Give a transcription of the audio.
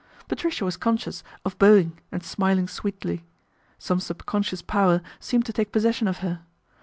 Patricia was conscious of bowing and smiling sweetly. Some sub conscious power seemed to take possession of her.